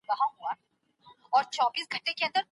ولي هغه کسان چي ډیر لایق دي کله کله لټي کوي؟